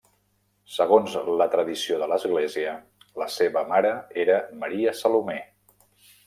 Segons la tradició de l'Església, la seva mare era Maria Salomé.